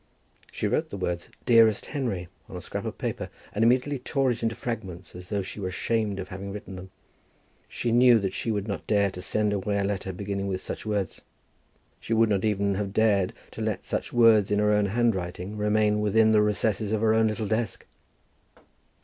She wrote the words, "Dearest Henry," on a scrap of paper, and immediately tore it into fragments as though she were ashamed of having written them. She knew that she would not dare to send away a letter beginning with such words. She would not even have dared to let such words in her own handwriting remain within the recesses of her own little desk.